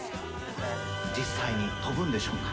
実際に飛ぶんでしょうか。